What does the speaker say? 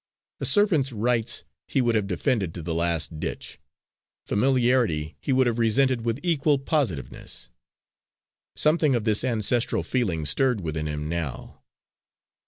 A servant's rights he would have defended to the last ditch; familiarity he would have resented with equal positiveness. Something of this ancestral feeling stirred within him now.